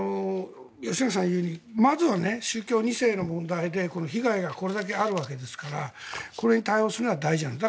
吉永さんが言うようにまずは宗教２世の問題で被害がこれだけあるわけですからこれに対応するのが大事なんです。